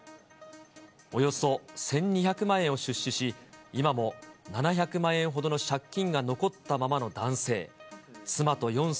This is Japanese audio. およそ１２００万円を出資し、今も７００万円ほどの借金が残ったままの男性。